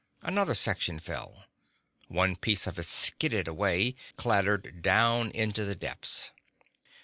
Another section fell. One piece of it skidded away, clattered down into the depths.